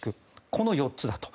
この４つだと。